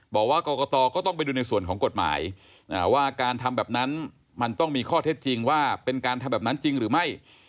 บอกว่ากรกตก็ต้องไปดูในส่วนของกฎหมายว่าการทำแบบนั้นมันต้องมีข้อเท็จจริงว่าเป็นการทำแบบนั้นจริงหรือไม่